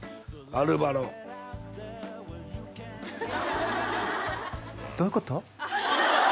アルバロどういうこと？